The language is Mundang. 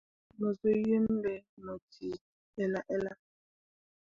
Mo zuu yim be mo cii ella ella.